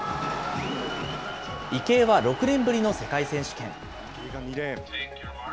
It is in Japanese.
池江は６年ぶりの世界選手権。